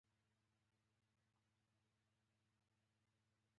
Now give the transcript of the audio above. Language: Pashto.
هغه نوره غوښه یې چې وچوله هغې ته یې وچه غوښه ویله.